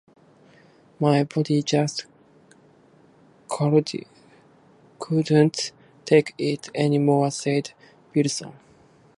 "My body just couldn't take it anymore", said Wilson.